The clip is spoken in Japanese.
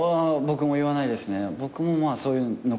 僕も言わないです。